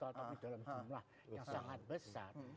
tapi dalam jumlah yang sangat besar